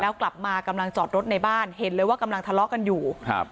แล้วกลับมากำลังจอดรถในบ้านเห็นเลยว่ากำลังทะเลาะกันอยู่ครับ